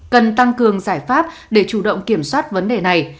cần tăng cường giải pháp để chủ động kiểm soát vấn đề này